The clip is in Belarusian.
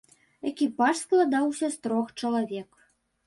Экіпаж складаўся з трох чалавек.